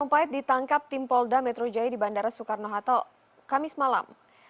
ratna sorumpait ditangkap tim polda metrojaya di bandara soekarno hatta kamis malam